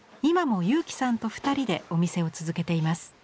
今も佑基さんと２人でお店を続けています。